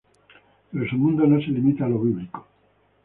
Pero su mundo no se limita a lo bíblico.